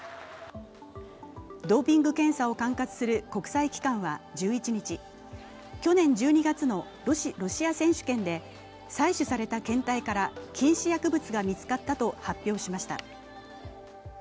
ドーピング検査を管轄する国際機関は１１日去年１２月のロシア選手権で採取された検体から禁止薬物が見つかったと発表しました。